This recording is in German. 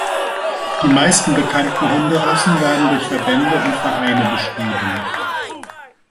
Die meisten bekannten Hunderassen werden durch Verbände und Vereine beschrieben.